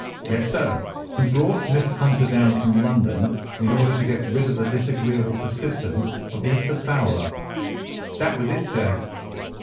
"Yes, sir." "And brought Miss Hunter down from London in order to get rid of the disagreeable persistence of Mr. Fowler." "That was it, sir."